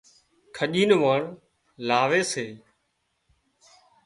کڄي نُون واڻ لاوي سي